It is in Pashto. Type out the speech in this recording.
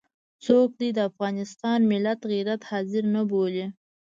څوک دې د افغانستان ملت غير حاضر نه بولي.